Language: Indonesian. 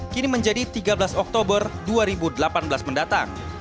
kini menjadi tiga belas oktober dua ribu delapan belas mendatang